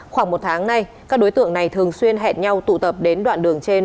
khoảng một tháng nay các đối tượng này thường xuyên hẹn nhau tụ tập đến đoạn đường trên